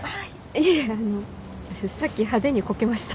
いえあのさっき派手にコケました。